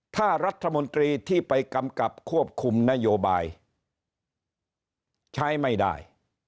ถ้ารัฐมนตรีที่ไปกำกับควบคุมนโยบายใช้ไม่ได้